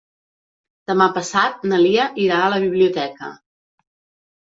Demà passat na Lia irà a la biblioteca.